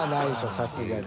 さすがに。